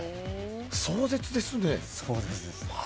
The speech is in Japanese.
壮絶ですね。